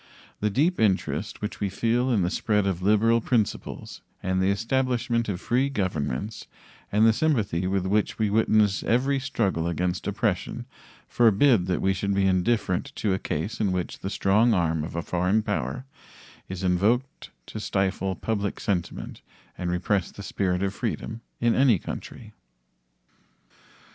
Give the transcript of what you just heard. The deep interest which we feel in the spread of liberal principles and the establishment of free governments and the sympathy with which we witness every struggle against oppression forbid that we should be indifferent to a case in which the strong arm of a foreign power is invoked to stifle public sentiment and repress the spirit of freedom in any country.